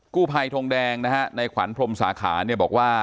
กู้ภัยทงแดงนะฮะในขวัญพรมสาขาเนี่ยบอกว่า